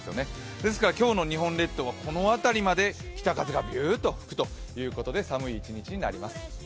ですから今日の日本列島はこの辺りまで北風がビューッと吹くということで寒い一日になります。